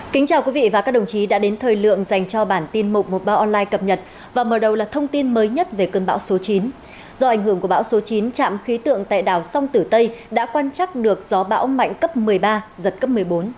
xin chào quý vị và các đồng chí đã đến thời lượng dành cho bản tin mục một báo online cập nhật và mở đầu là thông tin mới nhất về cơn bão số chín do ảnh hưởng của bão số chín chạm khí tượng tại đảo song tử tây đã quan trắc được gió bão mạnh cấp một mươi ba giật cấp một mươi bốn